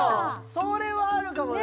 それはあるかもな。